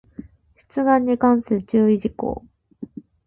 出願に関する注意事項